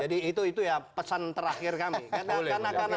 jadi itu ya pesan terakhir kami